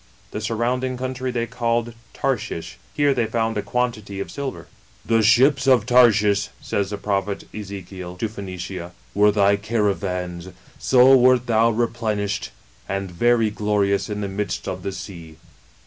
The surrounding country they called Tarshish. Here they found a quantity of silver. " The ships of Tarshish," says the prophet Ezekiel, to Phoenicia, *"were thy caravans; so wert thou replenished, and very glorious in the midst of ithe sea." BEYOND THE GREAT SEA.